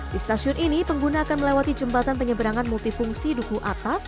di stasiun ini pengguna akan melewati jembatan penyeberangan multifungsi duku atas